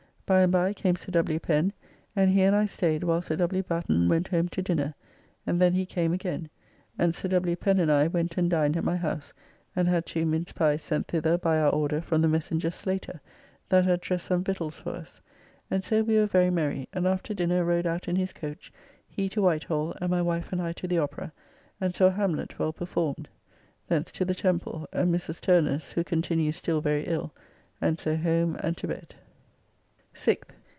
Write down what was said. By and by came Sir W. Pen, and he and I staid while Sir W. Batten went home to dinner, and then he came again, and Sir W. Pen and I went and dined at my house, and had two mince pies sent thither by our order from the messenger Slater, that had dressed some victuals for us, and so we were very merry, and after dinner rode out in his coach, he to Whitehall, and my wife and I to the Opera, and saw "Hamlett" well performed. Thence to the Temple and Mrs. Turner's (who continues still very ill), and so home and to bed. 6th.